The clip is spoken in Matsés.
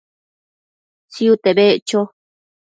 Tsiute beccho